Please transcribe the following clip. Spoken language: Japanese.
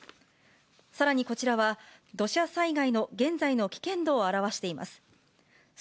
さらにこちらは、土砂災害の現在の危険度を表しています。